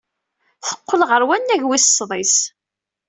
Teqqel ɣer wannag wis sḍis.